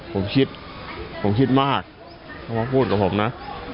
ผมคิดผมคิดมากเขามาพูดกับผมนะ